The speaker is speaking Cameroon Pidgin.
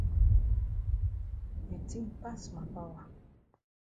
De tin pass ma power.